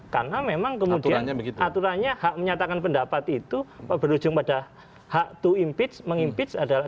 karena memang kemudian aturannya hak menyatakan pendapat itu berujung pada hak to impeach